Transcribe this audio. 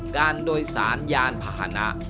การโดยสารยานพาหนะ